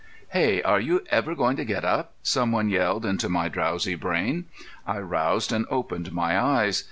"Hey! are you ever going to get up?" some one yelled into my drowsy brain. I roused and opened my eyes.